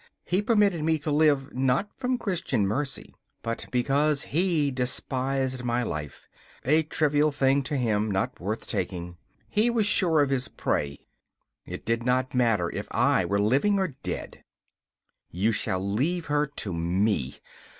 He permitted me to live, not from Christian mercy, but because he despised my life, a trivial thing to him, not worth taking. He was sure of his prey; it did not matter if I were living or dead. 'You shall leave her to me.